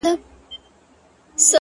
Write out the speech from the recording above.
په دوزخي غېږ کي به یوار جانان و نه نیسم’